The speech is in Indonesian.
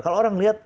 kalau orang liat